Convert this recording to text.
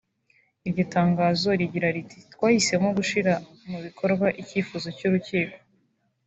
Iryo tangazo rigira riti “Twahisemo gushira mu bikorwa icyifuzo cy’urukiko